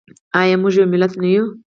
آیا موږ یو ملت نه یو؟